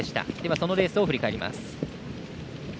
そのレースを振り返ります。